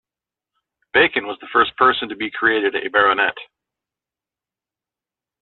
Bacon was the first person to be created a baronet.